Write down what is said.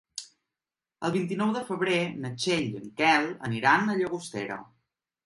El vint-i-nou de febrer na Txell i en Quel aniran a Llagostera.